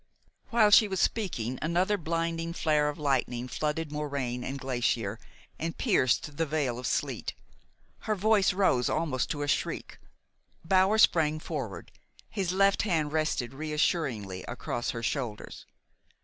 While she was speaking, another blinding flare of lightning flooded moraine and glacier and pierced the veil of sleet. Her voice rose almost to a shriek. Bower sprang forward. His left hand rested reassuringly across her shoulders.